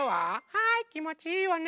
はいきもちいいわね！